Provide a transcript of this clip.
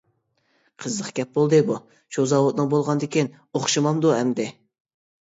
قىزىق گەپ بولدى بۇ، شۇ زاۋۇتنىڭ بولغاندىكىن ئوخشىمامدۇ ئەمدى، .